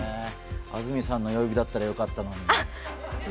安住さんの曜日だったらよかったのに。